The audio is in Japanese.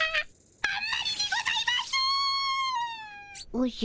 おじゃ？